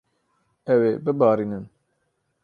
Ew ê bibarînin.